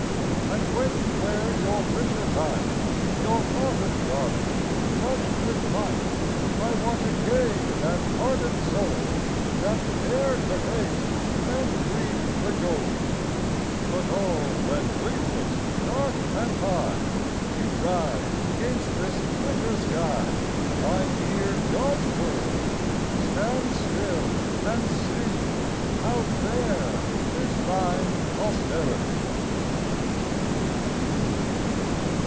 And when you wear your rich attire, Your autumn garments, touched with fire, I want again that ardent soul That dared the race and dreamed the goaL But, oh, when leafless, dark and high. You rise against this winter sky, I hear God's word: Stand still and see How fair is mine austerity!"